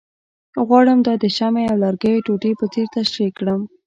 غواړم دا د شمعې او لرګیو ټوټې په څېر تشریح کړم،